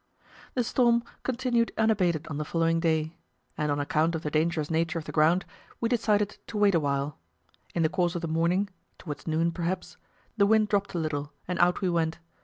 The storm continued unabated on the following day, and on account of the dangerous nature of the ground we decided to wait awhile. In the course of the morning towards noon, perhaps the wind dropped a little, and out we went.